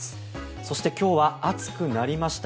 そして今日は暑くなりました。